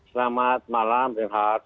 selamat malam rai nahar